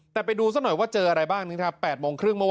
แต่ไปดูดูสักหน่อยว่าเจออะไรบ้างที่เราเห็นครับ